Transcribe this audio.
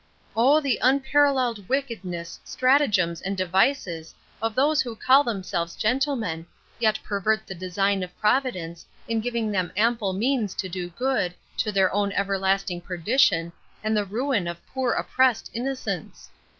O the unparalleled wickedness, stratagems, and devices, of those who call themselves gentlemen, yet pervert the design of Providence, in giving them ample means to do good, to their own everlasting perdition, and the ruin of poor oppressed innocence!